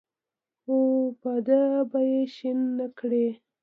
خو په ده به یې شین نکړې.